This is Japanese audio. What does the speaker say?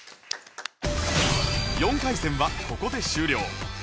４回戦はここで終了